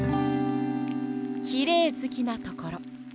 きれいずきなところ。